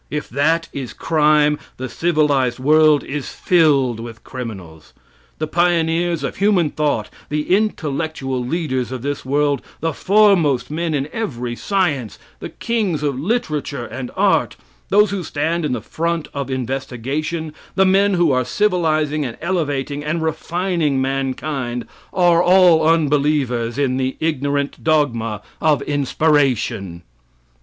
If that is crime, the civilized world is filled with criminals. The pioneers of human thought, the intellectual leaders of this world, the foremost men in every science, the kings of literature and art, those who stand in the front of investigation, the men who are civilizing and elevating and refining mankind, are all unbelievers in the ignorant dogma of inspiration.